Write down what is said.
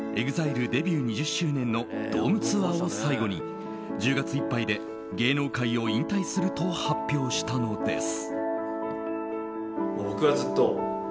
デビュー２０周年のドームツアーを最後に１０月いっぱいで芸能界を引退すると発表したのです。